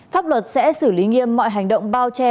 pháp luật sẽ xử lý nghiêm mọi hành động bao che